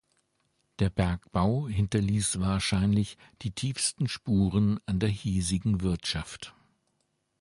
Der Bergbau hinterließ wahrscheinlich die tiefsten Spuren an der hiesigen Wirtschaft.